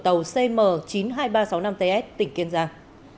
tàu cm chín mươi hai nghìn ba trăm sáu mươi năm ts tỉnh kiên giang